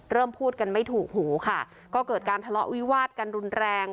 พูดกันไม่ถูกหูค่ะก็เกิดการทะเลาะวิวาดกันรุนแรง